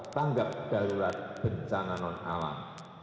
tanggap darurat bencangan non alang